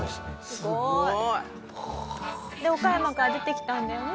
すごい！で岡山から出てきたんだよね。